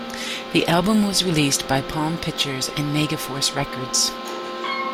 The album was released by Palm Pictures and Megaforce Records.